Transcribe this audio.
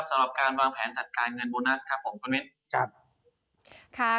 สำหรับการวางแผนจัดการเงินโบนัส